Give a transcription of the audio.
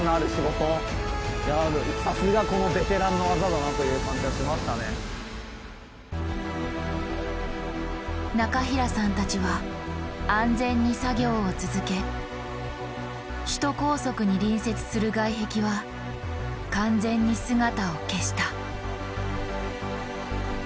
でもそういった中平さんたちは安全に作業を続け首都高速に隣接する外壁は完全に姿を消した。